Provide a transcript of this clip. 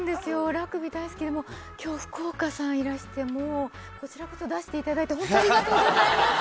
ラグビー、大好きで、もう、きょう、福岡さんいらして、もう、こちらこそ出していただいて、本当ありがとうございます。